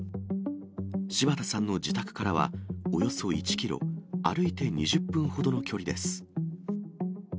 柴田さんの自宅からはおよそ１キロ、歩いて２０分ほどの距離です。